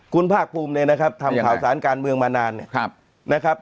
คุณภาคภูมิเนี่ยนะครับทำข่าวสารการเมืองมานานเนี่ยนะครับ